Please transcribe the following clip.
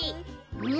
うん。